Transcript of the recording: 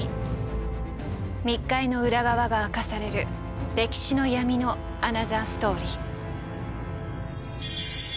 密会の裏側が明かされる歴史の闇のアナザーストーリー。